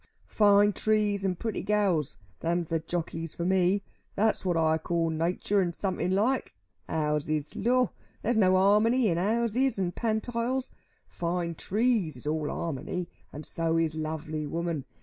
Fine trees and pretty gals, them's the jockeys for me. That's what I calls natur' and something like. Houses! Lor, there's no harmony in houses and pantiles. Fine trees is all harmony, and so is lovely woman.